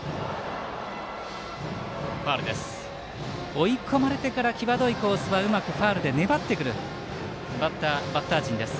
追い込まれてから際どいコースはファウルで粘ってくるバッター陣です。